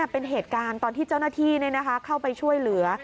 เป็นเหตุการณ์ตอนที่เจ้าหน้าที่เข้าไปช่วยเหลือ